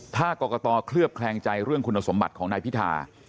ถ้ากรกตเคลือบแคลงใจเรื่องคุณสมบัติของนายพิธา